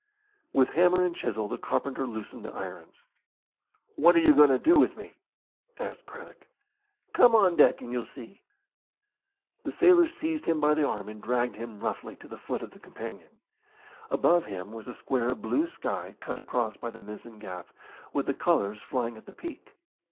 With hammer and chisel the carpenter loosened the irons. "What are you going to do with me?" asked Craddock. "Come on deck and you'll see." The sailor seized him by the arm and dragged him roughly to the foot of the companion. Above him was a square of blue sky cut across by the mizzen gaff, with the colours flying at the peak.